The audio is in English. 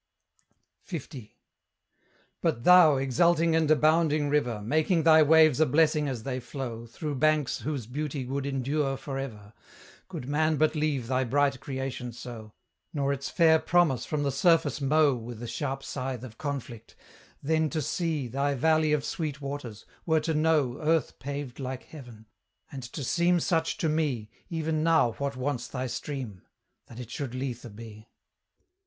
L. But thou, exulting and abounding river! Making thy waves a blessing as they flow Through banks whose beauty would endure for ever, Could man but leave thy bright creation so, Nor its fair promise from the surface mow With the sharp scythe of conflict, then to see Thy valley of sweet waters, were to know Earth paved like Heaven; and to seem such to me Even now what wants thy stream? that it should Lethe be.